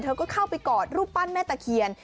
เธอก็เข้าไปกอดรูปปั้นแม่ตะเคียน